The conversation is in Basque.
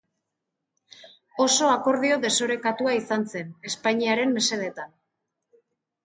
Oso akordio desorekatua izan zen, Espainiaren mesedetan.